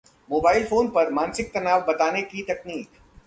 mobile phone पर मानसिक तनाव बताने की तकनीक